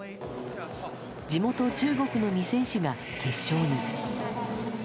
地元、中国の２選手が決勝に。